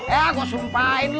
eh aku sumpahin lu